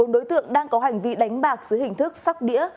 một mươi bốn đối tượng đang có hành vi đánh bạc dưới hình thức sóc đĩa